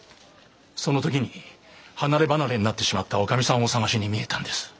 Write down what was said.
その時に離れ離れになってしまったおかみさんを捜しに見えたんです。